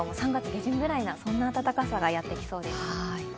３月下旬くらいな暖かさがやってきそうです。